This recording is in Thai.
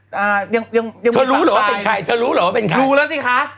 เธอรู้หรือว่าเป็นใครรู้ละซิคะ